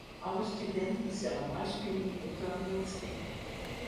Alle studinten sille meispylje yn it toanielstik.